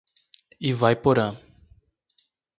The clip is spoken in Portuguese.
Ivaiporã